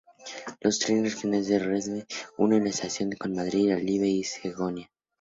Los trenes regionales de Renfe unen la estación con Madrid, Ávila y Segovia.